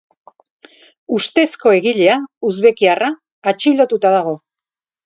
Ustezko egilea, uzbekiarra, atxilotuta dago.